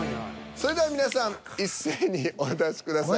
それでは皆さん一斉にお出しください。